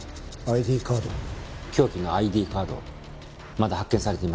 凶器のＩＤカードまだ発見されていません。